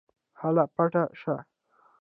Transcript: هله پټ شه.